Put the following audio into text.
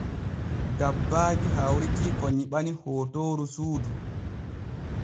Dabbaaji hawritii ko nyiɓani hootoor suudu.